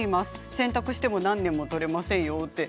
洗濯しても何年も取れませんよ。